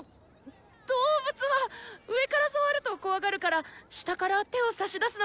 動物は上から触ると怖がるから下から手を差し出すのがコツです！